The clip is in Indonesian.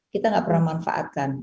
kita gak pernah manfaatkan